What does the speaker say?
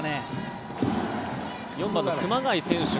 ４番の熊谷選手が。